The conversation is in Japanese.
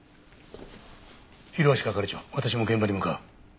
広橋係長私も現場に向かう。